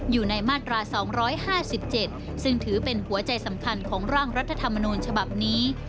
อยู่ในมาตรา๒๕๗ซึ่งถือเป็นหัวใจสำคัญของร่างรัฐธรรมนูญฉบับนี้